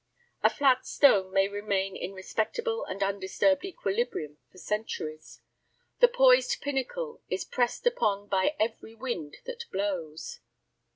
A flat stone may remain in respectable and undisturbed equilibrium for centuries. The poised pinnacle is pressed upon by every wind that blows.